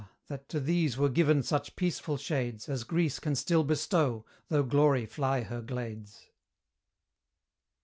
that to these were given such peaceful shades As Greece can still bestow, though Glory fly her glades.